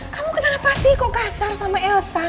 kamu kenal apa sih kok kasar sama elsa